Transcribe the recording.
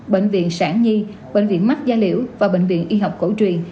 bệnh viện sản nhi bệnh viện mắt gia liễu và bệnh viện y học cổ truyền